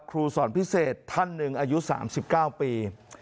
ครูสอนพิเศษท่าน๑อายุ๓๙ปี